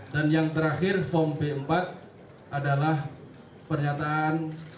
dan yang terakhir form b empat adalah pernyataan